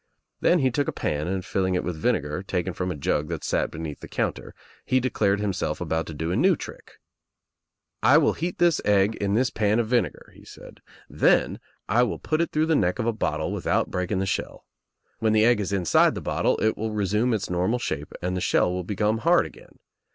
Then he took a pan and filling it with vinegar, taken from a jug that sat beneath the counter, he declared himself about to do a new trick. "I will heat this egg in this pan of vinegar," he THE EGG 6[ ^Bfea said. "Then I will put It through the neck of a bottle without breaking the shell. When the egg is inside the bottle it will resume its normal shape and the ahell will become hard again.